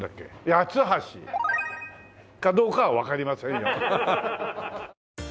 八ツ橋！かどうかはわかりませんよハハハ。